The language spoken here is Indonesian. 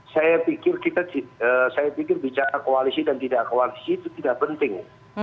saya pikir bicara koalisi dan tidak koalisi itu tidak penting